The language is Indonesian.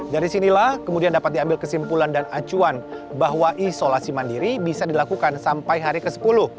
dari sinilah kemudian dapat diambil kesimpulan dan acuan bahwa isolasi mandiri bisa dilakukan sampai hari ke sepuluh